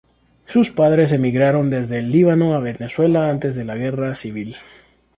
Sus padres emigraron desde el Líbano a Venezuela antes de la Guerra civil.